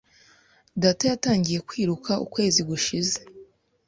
Data yatangiye kwiruka ukwezi gushize.